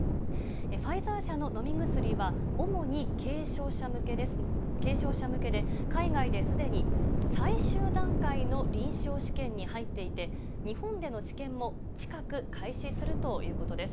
ファイザー社の飲み薬は主に軽症者向けで、海外ですでに最終段階の臨床試験に入っていて、日本での治験も近く、開始するということです。